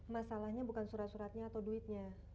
masalahnya bukan surat suratnya atau duitnya